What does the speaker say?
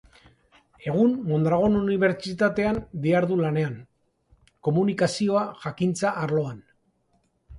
Egun Mondragon Unibertsitatean dihardu lanean, Komunikazioa jakintza-arloan.